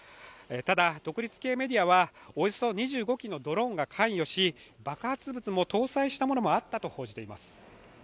ただ、独立系メディアはおよそ２５機のドローンが関与し、爆発物も搭載したのもあったと報じています。